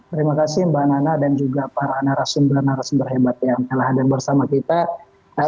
terima kasih mbak nana dan juga para narasumber narasumber hebat yang telah hadir bersama kita